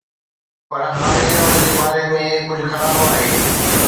پر هاڻي هن جي باري ۾ ڪجهه خراب آهي